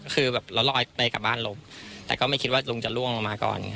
คือแบบแล้วลอยไปกลับบ้านลงแต่ก็ไม่คิดว่าลุงจะล่วงลงมาก่อน